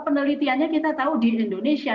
penelitiannya kita tahu di indonesia